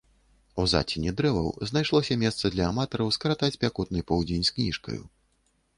У зацені дрэваў знайшлося месца для аматараў скаратаць спякотны полудзень з кніжкаю.